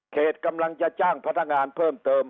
เขตกำลังจะจ้างพัฒนางานเพิ่มเติม